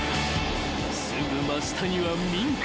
［すぐ真下には民家］